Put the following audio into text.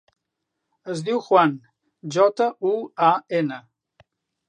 Es diu Juan: jota, u, a, ena.